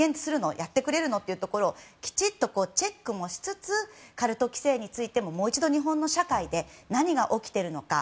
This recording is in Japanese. やってくれるの？ということをきちっとチェックもしつつカルト規制についてももう一度日本の社会で何が起きているのか。